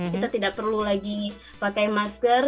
kita tidak perlu lagi pakai masker